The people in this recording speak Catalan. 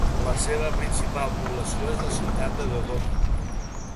La seva principal població és la ciutat de Dodoma.